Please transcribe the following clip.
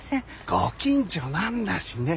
ご近所なんだしね